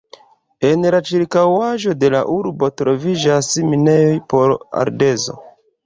En la ĉirkaŭaĵo de la urbo troviĝas minejoj por ardezo.